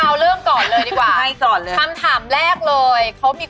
ในอินเตอร์เน็ตอีกแหล่งข้อมูลต่างเยอะแยะมากมาย